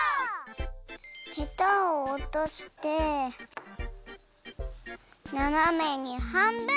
ヘタをおとしてななめにはんぶん！